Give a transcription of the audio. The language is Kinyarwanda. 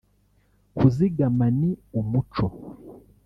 kuzigama ni umuco